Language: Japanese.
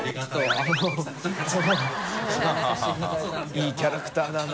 いいキャラクターだな。